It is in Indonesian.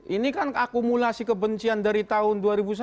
ini kan akumulasi kebencian dari tahun dua ribu satu